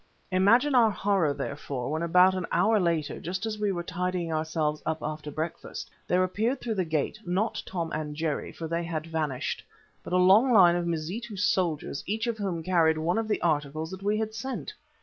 Imagine our horror, therefore, when about an hour later, just as we were tidying ourselves up after breakfast, there appeared through the gate, not Tom and Jerry, for they had vanished, but a long line of Mazitu soldiers each of whom carried one of the articles that we had sent.